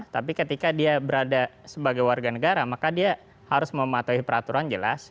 tapi ketika dia berada sebagai warga negara maka dia harus mematuhi peraturan jelas